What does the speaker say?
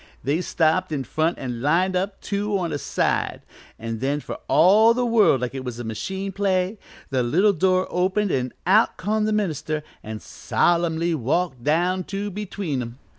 They stopped in front an' lined up, two on a side, an' then, for all the world like it was a machine play, the little door opened an' out come the minister an' solemnly walked down to between them.